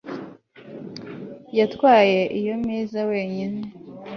Yatwaye iyo meza wenyine